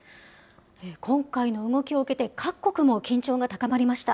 今回の動きを受けて、各国も緊張が高まりました。